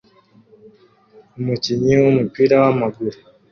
Umukinnyi w'umupira w'amaguru